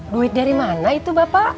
duit dari mana itu bapak